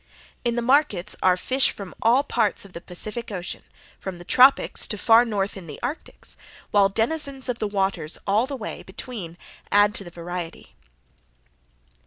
In the markets are fish from all parts of the Pacific Ocean, from the Tropics to far north in the Arctics, while denizens of the waters all the way, between add to the variety.